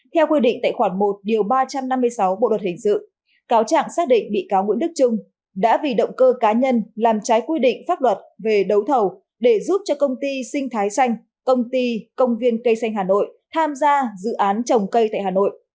theo quy định tại khoản một ba trăm năm mươi sáu bộ luật hình sự cáo trạng xác định bị cáo nguyễn đức trung đã vì động cơ cá nhân làm trái quy định pháp luật về đấu thầu để giúp cho công ty sinh thái xanh công ty công viên cây xanh hà nội tham gia dự án trồng cây tại hà nội